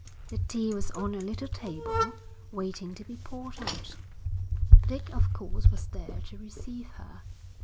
The tea was on a little table, waiting to be poured out. Dick of course was there to receive her.